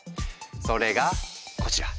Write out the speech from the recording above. それがこちら！